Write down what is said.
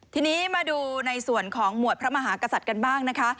ทีนี้มาดูในส่วนของหมวดพระมหากษัตริย์กันบ้างนะคะ